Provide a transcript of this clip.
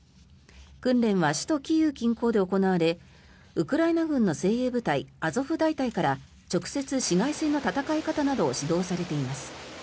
訓練は首都キーウ近郊で行われウクライナ軍の精鋭部隊アゾフ大隊から直接、市街戦の戦いなどを指導されています。